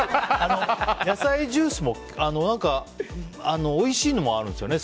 野菜ジュースもおいしいのもあるんですよね。